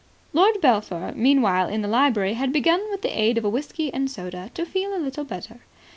Lord Belpher, meanwhile, in the library, had begun with the aid of a whisky and soda to feel a little better.